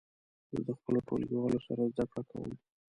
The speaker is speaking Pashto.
زه د خپلو ټولګیوالو سره زده کړه کوم.